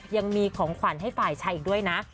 ยังมีของขวัญให้ฝ่ายชายอีกด้วยนะ